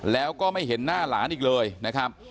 แล้วก็ไม่เห็นหน้าหลานอีกเลยนะครับ